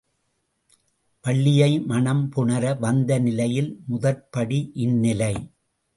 வள்ளியை மணம் புணர வந்த நிலையில் முதற்படி இந்நிலை.